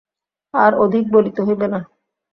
আর অধিক বলিতে হইবে না।